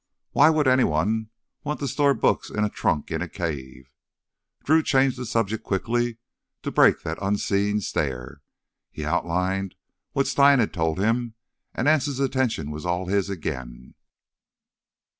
"Why would anyone want to store books in a trunk in a cave?" Drew changed the subject quickly to break that unseeing stare. He outlined what Stein had told him, and Anse's attention was all his again.